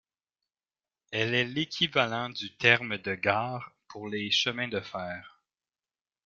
Elle est l'équivalent du terme de gare pour les chemins de fer.